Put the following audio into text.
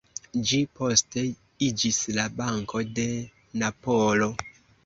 Ĝi poste iĝis la "Banko de Napolo".